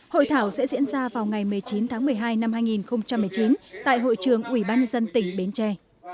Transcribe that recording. hội thảo sẽ diễn ra vào ngày một mươi chín tháng một mươi hai năm hai nghìn một mươi chín tại hội trường ủy ban nhân dân tỉnh bến tre